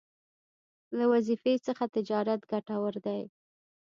له وظيفې څخه تجارت ګټور دی